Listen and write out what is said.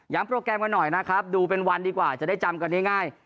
โปรแกรมกันหน่อยนะครับดูเป็นวันดีกว่าจะได้จำกันง่าย